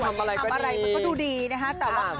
พอช่วยผู้ทำอะไรก็ดูดีนะครับ